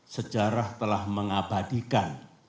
sejarah telah mengabadikan